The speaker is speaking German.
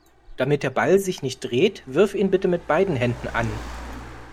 Damit der Ball sich nicht dreht, wirf ihn bitte mit beiden Händen an.